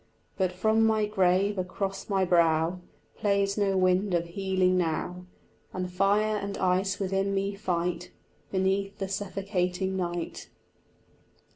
But from my grave across my brow Plays no wind of healing now, And fire and ice within me fight Beneath the suffocating night.